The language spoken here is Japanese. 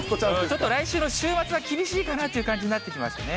ちょっと来週の週末は、厳しいかなという感じになってきましたね。